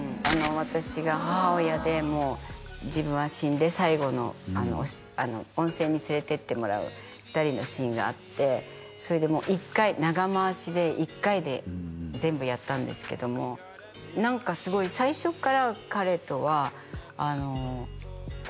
私が母親でもう自分は死んで最後の温泉に連れていってもらう２人のシーンがあってそれでもう１回長回しで１回で全部やったんですけども何かすごい最初から彼とは何か合うたん？